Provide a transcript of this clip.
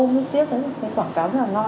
không biết tiếc đấy cái quảng cáo rất là ngon